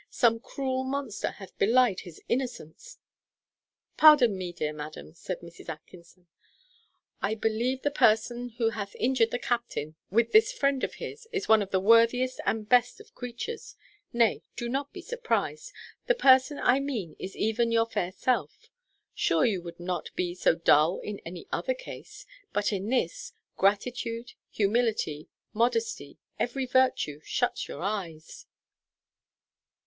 Some cruel monster hath belied his innocence!" "Pardon me, dear madam," said Mrs. Atkinson; "I believe the person who hath injured the captain with this friend of his is one of the worthiest and best of creatures nay, do not be surprized; the person I mean is even your fair self: sure you would not be so dull in any other case; but in this, gratitude, humility, modesty, every virtue, shuts your eyes.